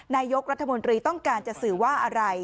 นายกรัฐมนตรีต้องการจะสื่อว่าอะไร